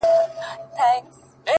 غلطۍ کي مي د خپل حسن بازار مات کړی دی;